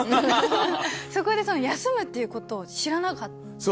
そこで、休むっていうことを知らなかったから。